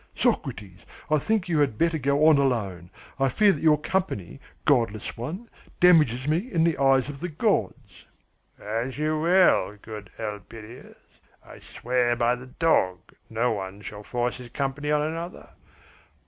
Socrates, I think you had better go on alone! I fear that your company, godless one, damages me in the eyes of the gods." "As you will, good Elpidias. I swear by the dog no one shall force his company on another.